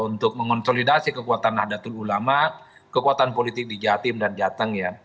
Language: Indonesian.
untuk mengonsolidasi kekuatan nahdlatul ulama kekuatan politik di jatim dan jateng ya